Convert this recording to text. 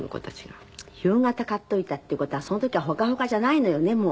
夕方買っといたって事はその時はほかほかじゃないのよねもう。